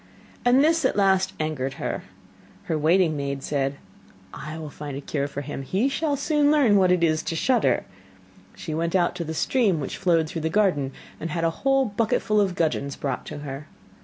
And this at last angered her. Her waiting maid said: 'I will find a cure for him; he shall soon learn what it is to shudder.' She went out to the stream which flowed through the garden, and had a whole bucketful of gudgeons brought to her.